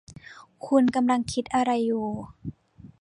คุณกำลังคิดอะไรอยู่ ?